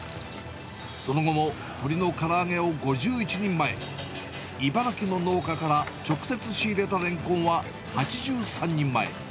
その後も鳥のから揚げを５１人前、茨城の農家から直接仕入れたレンコンは８３人前。